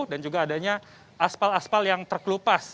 dan juga adanya aspal aspal yang terkelupas